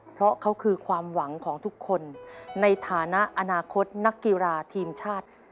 เพราะเขาคือความหวังของทุกคนในฐานะอนาคตนักกีฬาทีมชาติ